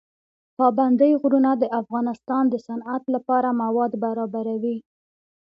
پابندی غرونه د افغانستان د صنعت لپاره مواد برابروي.